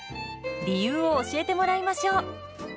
理由を教えてもらいましょう。